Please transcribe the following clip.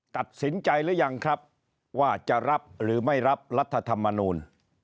ตัดสินใจหรือยังครับว่าจะรับหรือไม่รับรัฐธรรมนูล